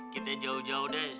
kita jauh jauh deh